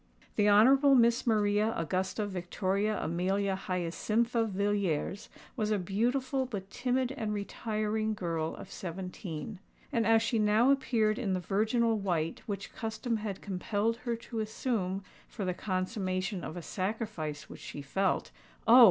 The Honourable Miss Maria Augusta Victoria Amelia Hyacintha Villiers was a beautiful, but timid and retiring, girl of seventeen;—and as she now appeared in the virginal white which custom had compelled her to assume for the consummation of a sacrifice which she felt—Oh!